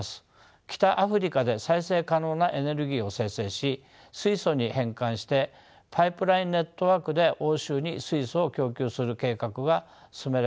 北アフリカで再生可能なエネルギーを生成し水素に変換してパイプライン・ネットワークで欧州に水素を供給する計画が進められております。